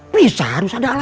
pisah harus ada alamnya